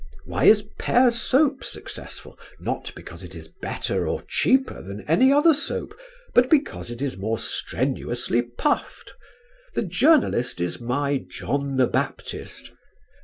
Why is Pears' soap successful? Not because it is better or cheaper than any other soap, but because it is more strenuously puffed. The journalist is my 'John the Baptist.'